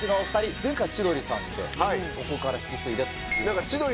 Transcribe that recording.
前回千鳥さんでそこから引き継いで。